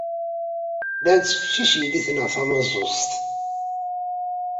La nettfeccic yelli-tneɣ tamaẓuzṭ.